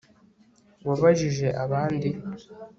Wabajije abandi